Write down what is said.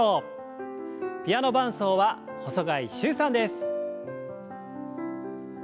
ピアノ伴奏は細貝柊さんです。